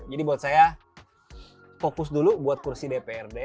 jadi buat saya fokus dulu buat kursi dprd